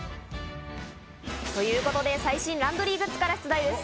ということで最新ランドリーグッズから出題です。